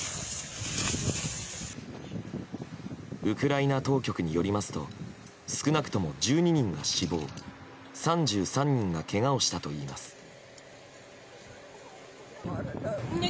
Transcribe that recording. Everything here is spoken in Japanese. ウクライナ当局によりますと少なくとも１２人が死亡３３人がけがをしたといいます。